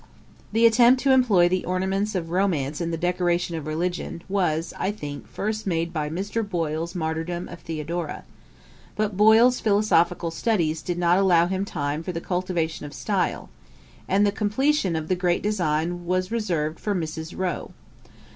The attempt to employ the ornaments of romance in the decoration of religion, was, I think, first made by Mr. Boyle's Martyrdom of Theodora; but Boyle's philosophical studies did not allow him time for the cultivation of style; and the Completion of the great design was reserved for Mrs. Rowe. Dr.